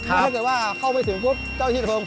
ถ้าเกิดว่าเข้าไม่ถึง